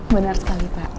benar sekali pak